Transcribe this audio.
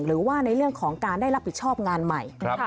หรือว่าในเรื่องของการได้รับผิดชอบงานใหม่